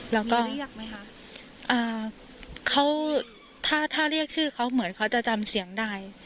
แล้วก็เรียกไหมคะอ่าเขาถ้าถ้าเรียกชื่อเขาเหมือนเขาจะจำเสียงใด